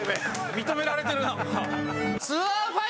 認められてるなんか。